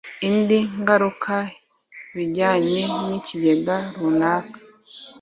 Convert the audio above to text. indi ngaruka bijyanye n’ ikigega runaka